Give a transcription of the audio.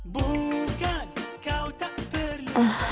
bukan kau tak perlu